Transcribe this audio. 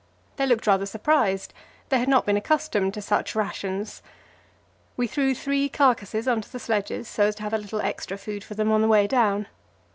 They looked rather surprised; they had not been accustomed to such rations. We threw three carcasses on to the sledges, so as to have a little extra food for them on the way down.